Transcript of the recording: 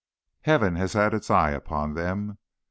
"Heaven has had its eye upon them.